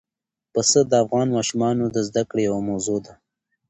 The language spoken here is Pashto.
پسه د افغان ماشومانو د زده کړې یوه موضوع ده.